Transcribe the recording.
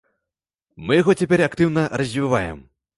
Мы яго цяпер актыўна развіваем.